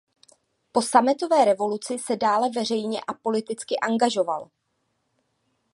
Po sametové revoluci se dále veřejně a politicky angažoval.